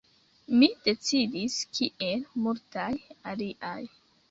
Mi decidis, kiel multaj aliaj.